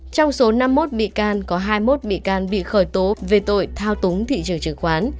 trong số năm mươi một bị can có hai mươi một bị can bị khởi tố về tội thao túng thị trường chứng khoán